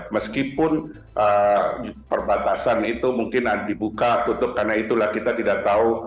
meskipun perbatasan itu mungkin dibuka tutup karena itulah kita tidak tahu